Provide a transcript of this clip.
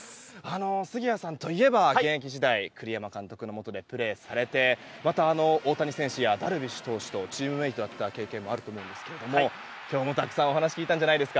杉谷さんといえば現役時代、栗山監督のもとでプレーされて、また大谷選手やダルビッシュ投手とチームメートだった経験もあると思うんですけどもたくさんお話を聞いたんじゃないですか。